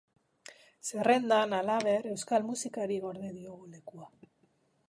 Zerrendan, halaber, euskal musikari gorde diogu lekua.